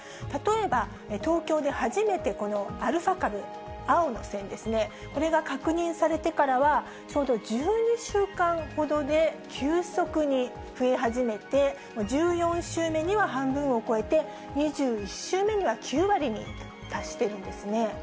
例えば東京で初めてこのアルファ株、青の線ですね、これが確認されてからはちょうど１２週間ほどで、急速に増え始めて、１４週目には半分を超えて、２１週目には９割に達しているんですね。